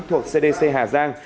thuộc cdc hà giang